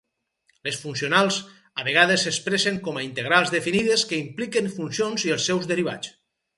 Les funcionals a vegades s'expressen com a integrals definides que impliquen funcions i els seus derivats.